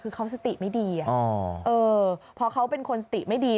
คือเขาสติไม่ดีพอเขาเป็นคนสติไม่ดี